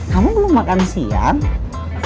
jangan meng coses